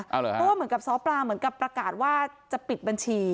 เพราะว่าเหมือนกับซ้อปลาเหมือนกับประกาศว่าจะปิดบัญชี